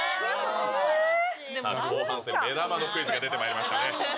後半戦、目玉のクイズが出てまいりましたね。